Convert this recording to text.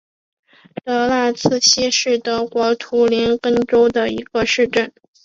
德赖茨希是德国图林根州的一个市镇。